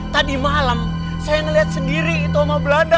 tadi malam saya ngeliat sendiri itu oma belanda